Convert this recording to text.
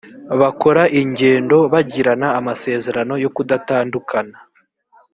bakora ingendo bagirana amasezerano yo kudatandukana